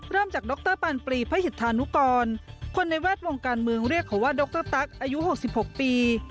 เริ่มจากดรปานปรีพระหิตธานุกรคนในแวดวงการเมืองเรียกเขาว่าดรตั๊กอายุ๖๖ปี